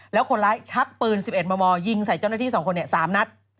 แล้วคนร้ายชักปืน๑๑มมยิงใส่เจ้าหน้าที่๒คน๓นัด